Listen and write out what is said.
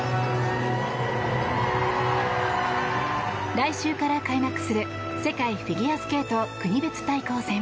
来週から開幕する世界フィギュアスケート国別対抗戦。